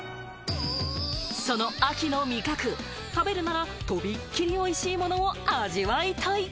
その秋の味覚、食べるなら、とびっきりおいしいものを味わいたい。